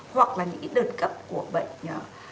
hoặc là những cái đợt cấp của bệnh